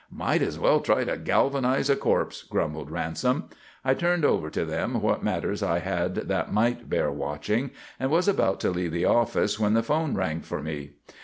"Might as well try to galvanise a corpse," grumbled Ransom. I turned over to them what matters I had that might bear watching, and was about to leave the office when the 'phone rang for me.